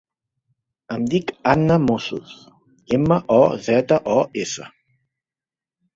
Em dic Anna Mozos: ema, o, zeta, o, essa.